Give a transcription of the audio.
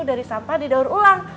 dari sampah di daur ulang